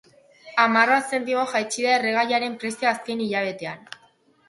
Hamar bat zentimo jaitsi da erregaiaren prezioa azken hilabetean